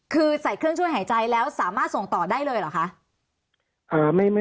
คือใส่เครื่องช่วยหายใจแล้วสามารถส่งต่อได้เลยเหรอคะ